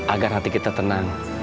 agar hati kita tenang